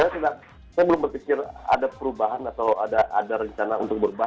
saya belum berpikir ada perubahan atau ada rencana untuk berubah